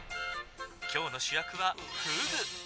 「今日の主役はフグ！」。